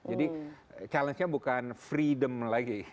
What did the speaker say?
jadi challenge nya bukan freedom lagi